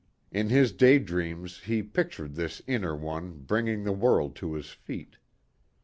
In his day dreams he pictured this inner one bringing the world to his feet.